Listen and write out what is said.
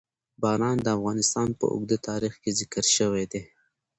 باران د افغانستان په اوږده تاریخ کې ذکر شوي دي.